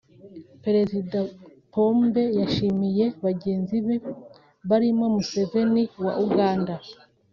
Perezida Pombe yashimiye bagenzi be barimo Museveni wa Uganda